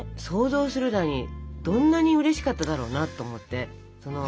想像するだにどんなにうれしかっただろうなと思って。